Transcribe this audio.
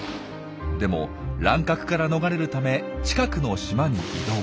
でも乱獲から逃れるため近くの島に移動。